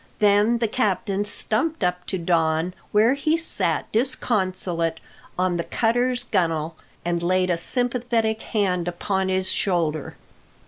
Then the captain stumped up to Don, where he sat disconsolate on the cutter's gun'le, and laid a sympathetic hand upon his shoulder.